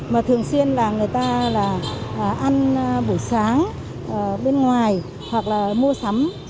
mà thường xuyên là người ta là ăn buổi sáng bên ngoài hoặc là mua sắm